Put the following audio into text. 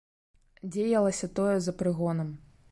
Дзеялася тое за прыгонам.